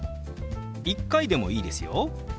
１回でもいいですよ。